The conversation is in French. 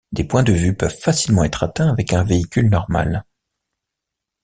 Des points de vue peuvent facilement être atteints avec un véhicule normal.